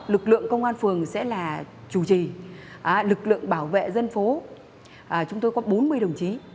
lực lượng công an phường sẽ là chủ trì lực lượng bảo vệ dân phố chúng tôi có bốn mươi đồng chí